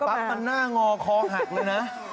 พอจับปั๊บมันหน้างอคอหักเลยนะ